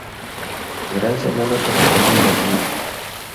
Gran semana para Tommy Merlyn.